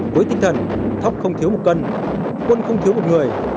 với tinh thần thóc không thiếu một cân quân không thiếu một người